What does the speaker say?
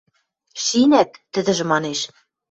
– Шинӓт, – тӹдӹжӹ манеш.